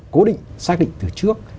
cố định xác định từ trước